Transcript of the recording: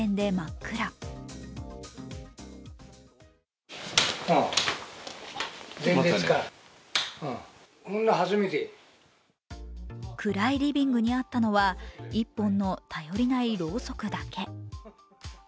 暗いリビングにあったのは１本の頼りないろうそくだけ。